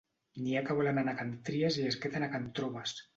N'hi ha que volen anar a can Tries i es queden a can Trobes.